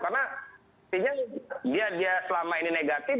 karena sepertinya dia selama ini negatif